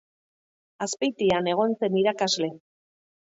Azpeitian egon zen irakasle.